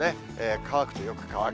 乾くとよく乾く。